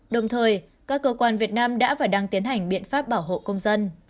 đồng thời các cơ quan việt nam đã và đang tiến hành biện pháp bảo hộ công dân